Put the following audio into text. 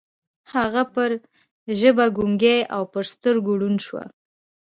هغه پر ژبه ګونګۍ او پر سترګو ړنده شوه.